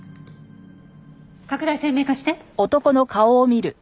拡大鮮明化して。